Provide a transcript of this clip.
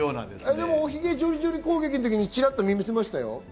でも、おひげジョリジョリ攻撃の時、チラッと見ましたよ。